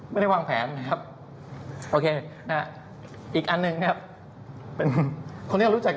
ไม่ได้วางแผนนะครับโอเคอีกอันหนึ่งนะครับเป็นคนที่เรารู้จัก